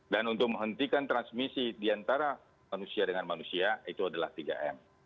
dan untuk menghentikan transmisi diantara manusia dengan manusia itu adalah tiga m